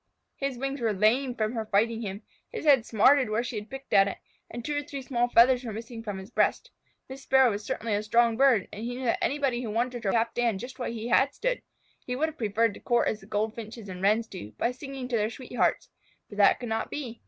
His wings were lame from her fighting him, his head smarted where she had picked at it, and two or three small feathers were missing from his breast. Miss Sparrow was certainly a strong bird, and he knew that anybody who wanted her would have to stand just what he had stood. He would have preferred to court as the Goldfinches and Wrens do, by singing to their sweethearts, but that could not be.